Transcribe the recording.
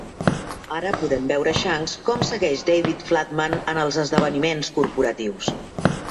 Ara podem veure Shanks com segueix David Flatman en els esdeveniments corporatius.